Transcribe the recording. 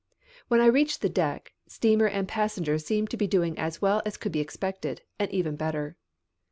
When I reached the deck, steamer and passengers seemed to be doing as well as could be expected, and even better.